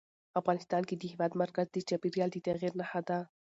افغانستان کې د هېواد مرکز د چاپېریال د تغیر نښه ده.